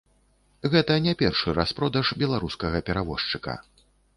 Гэта не першы распродаж беларускага перавозчыка.